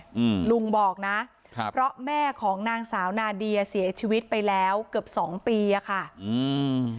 อืมลุงบอกนะครับเพราะแม่ของนางสาวนาเดียเสียชีวิตไปแล้วเกือบสองปีอ่ะค่ะอืม